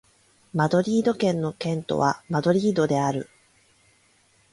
マドリード県の県都はマドリードである